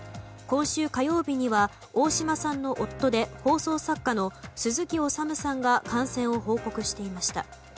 今週火曜日には、大島さんの夫で放送作家の鈴木おさむさんが感染を報告していました。